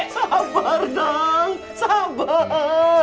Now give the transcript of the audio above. sabar dong sabar